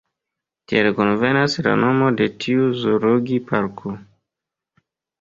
Tial konvenas la nomo de tiu zoologi-parko.